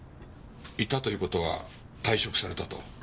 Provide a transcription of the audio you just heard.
いたという事は退職されたと？